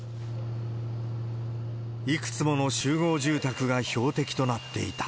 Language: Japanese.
いくつもの集合住宅が標的となっていた。